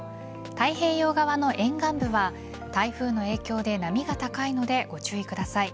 太平洋側の沿岸部は台風の影響で波が高いのでご注意ください。